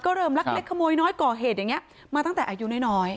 เริ่มลักเล็กขโมยน้อยก่อเหตุอย่างนี้มาตั้งแต่อายุน้อย